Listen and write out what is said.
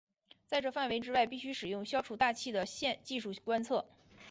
在这范围之外必须使用消除大气的技术观测。